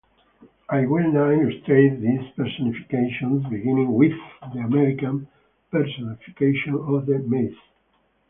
I will now illustrate these personifications, beginning with the American personifications of the maize.